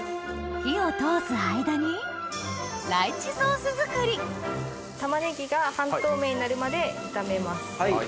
火を通す間にライチソース作りタマネギが半透明になるまで炒めます。